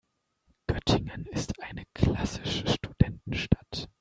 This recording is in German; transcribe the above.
Göttingen ist eine klassische Studentenstadt.